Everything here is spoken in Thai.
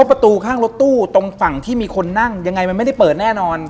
ประตูข้างรถตู้ตรงฝั่งที่มีคนนั่งยังไงมันไม่ได้เปิดแน่นอน